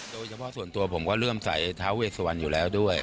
โดยเฉพาะส่วนตัวผมก็เริ่มใส่ท้าเวสวันอยู่แล้วด้วย